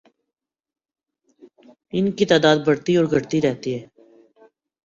ان کی تعداد بڑھتی اور گھٹتی رہتی ہے